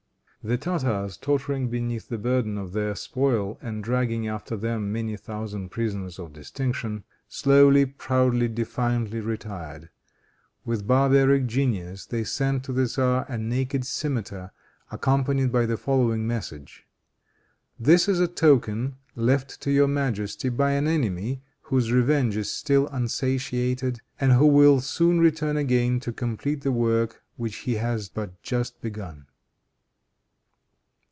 The Tartars, tottering beneath the burden of their spoil, and dragging after them many thousand prisoners of distinction, slowly, proudly, defiantly retired. With barbaric genius they sent to the tzar a naked cimiter, accompanied by the following message: "This is a token left to your majesty by an enemy, whose revenge is still unsatiated, and who will soon return again to complete the work which he has but just begun."